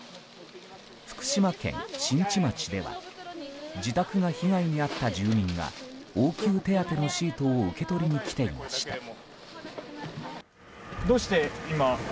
福島県新地町では自宅が被害に遭った住民が応急手当のシートを受け取りに来ていました。